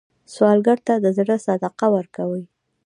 سوالګر ته د زړه صدقه ورکوئ